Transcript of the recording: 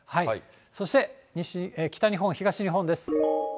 そして、北日本、東日本です。